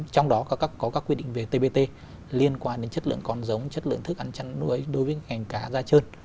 trong đó có các quy định về tbt liên quan đến chất lượng con giống chất lượng thức ăn chăn nuôi đối với ngành cá da trơn